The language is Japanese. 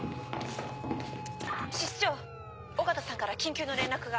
室長緒方さんから緊急の連絡が。